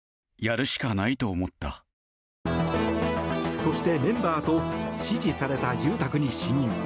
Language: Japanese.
そして、メンバーと指示された自宅に侵入。